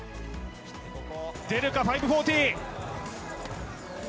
出るか５４０。